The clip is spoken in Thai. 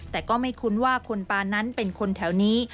แต่ก็ไม่คุ้นว่าคนปานั้นเป็นคนแถวนี้